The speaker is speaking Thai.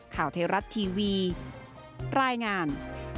ข่าวเทรัตน์ทีวีรายงาน